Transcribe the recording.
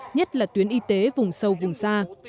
nhất là tuyến y tế vùng sâu vùng xa